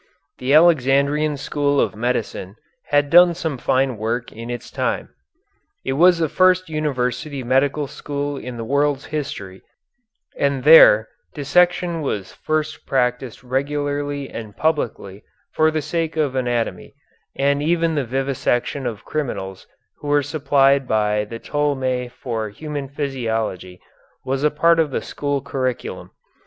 The Alexandrian school of medicine had done some fine work in its time. It was the first university medical school in the world's history, and there dissection was first practised regularly and publicly for the sake of anatomy, and even the vivisection of criminals who were supplied by the Ptolemei for human physiology, was a part of the school curriculum.